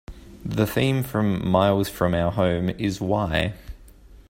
The theme for "Miles from Our Home" is 'why?